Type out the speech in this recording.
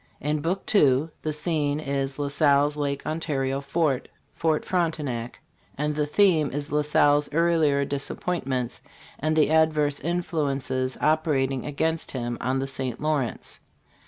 In Book II the scene is La Salle's Lake Ontario fort, Ft. Frontenac ; and the theme is La Salle's earlier disappointments and the adverse influences operating against him on the St. Lawrence.